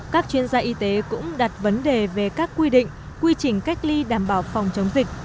các chuyên gia y tế cũng đặt vấn đề về các quy định quy trình cách ly đảm bảo phòng chống dịch